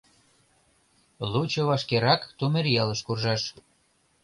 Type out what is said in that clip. Лучо вашкерак Тумеръялыш куржшаш.